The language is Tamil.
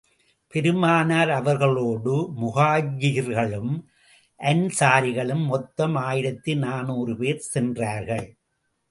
பெருமானார் அவர்களோடு முஹாஜிர்களும், அன்ஸாரிகளும் மொத்தம் ஆயிரத்து நானூறு பேர் சென்றார்கள்.